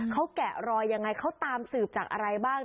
เขาแกะรอยยังไงเขาตามสืบจากอะไรบ้าง